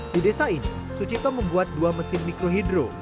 di desa ini sucipto membuat dua mesin mikro hidro